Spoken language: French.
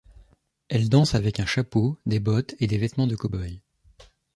Elle danse avec un chapeau, des bottes et des vêtements de cowboys.